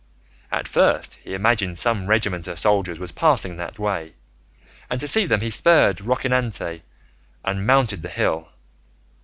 At first he imagined some regiment of soldiers was passing that way, and to see them he spurred Rocinante and mounted the hill.